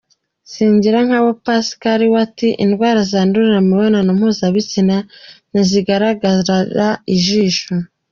Singirankabo Pasikali we ati “Indwara zandurira mu mibonano mpuzabitsina ntizigaragarira ijisho.